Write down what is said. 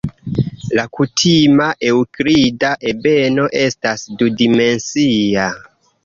La kutima eŭklida ebeno estas du-dimensia.